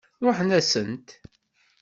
Ṛuḥen-asent.